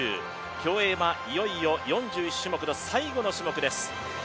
競泳はいよいよ４１種目の最後の種目です。